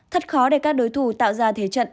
thật khó để các đối thủ tạo ra thế trận